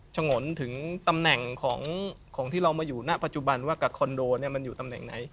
ฉงนถึงตำแหน่งของที่เรามาอยู่ณปัจจุบันว่ากับคอนโดมันอยู่ตำแหน่งไหน